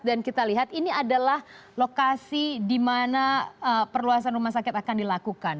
dan kita lihat ini adalah lokasi di mana perluasan rumah sakit akan dilakukan